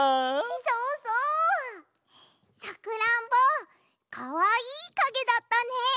そうそう！さくらんぼかわいいかげだったね。